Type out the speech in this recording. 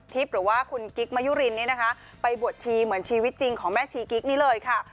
ทิพย์หรือว่าคุณกิ๊กมายุรินไปบทชีเหมือนชีวิตจริงของแม่ชีกิ๊กนี่เลยค่ะ